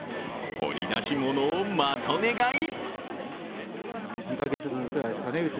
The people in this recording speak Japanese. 掘り出し物をまとめ買い。